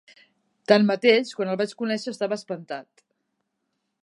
Tanmateix, quan el vaig conèixer estava espantat.